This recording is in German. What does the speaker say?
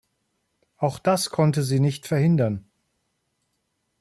Auch das konnte sie nicht verhindern.